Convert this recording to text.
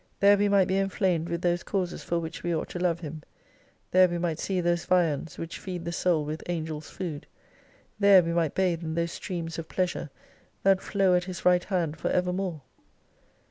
There we might be enflamed with those causes for which we ought to love Him : there we might see those viands which feed the Soul with Angels' food : there we might bathe in those streams of pleasure that flow at His right hand for evermore.